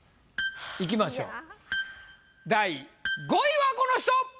いきましょう第５位はこの人！